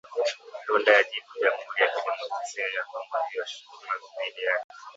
Rwanda yajibu Jamhuri ya Kidemokrasia ya kongo juu ya shutuma dhidi yake.